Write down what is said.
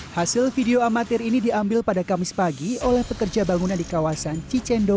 hai hasil video amatir ini diambil pada kamis pagi oleh pekerja bangunan di kawasan cicendo